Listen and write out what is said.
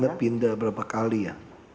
karena pindah berapa kali ya